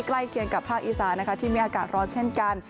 ใกล้เคียงกับภาคอีสานนะคะที่มีอากาศร้อนเช่นกัน